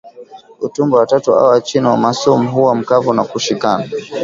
Utumbo wa tatu au wa chini omasum huwa mkavu na kushikamana